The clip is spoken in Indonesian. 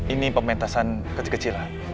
ini pementasan kecil kecilan